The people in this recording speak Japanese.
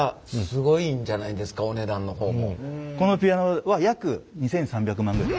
これはこのピアノは約２，３００万ぐらい。